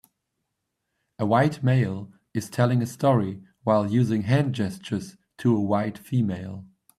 A white male is telling a story while using hand gestures to a white female.